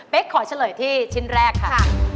เป็นขอเฉลยที่ชิ้นแรกค่ะ